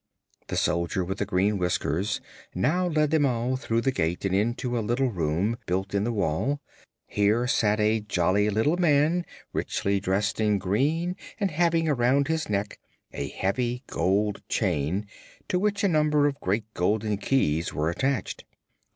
The Soldier with the Green Whiskers now led them all through the gate and into a little room built in the wall. Here sat a jolly little man, richly dressed in green and having around his neck a heavy gold chain to which a number of great golden keys were attached.